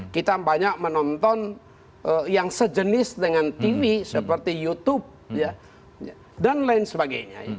kita banyak menonton yang sejenis dengan tv seperti youtube dan lain sebagainya